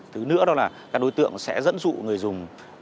thứ nữa đó là các đối tượng sẽ dẫn dụ người dùng